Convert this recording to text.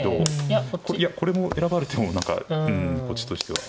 いやこれも選ばれても何かこっちとしては。